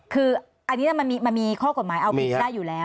คืออันนี้มันมีข้อกฎหมายเอาผิดได้อยู่แล้ว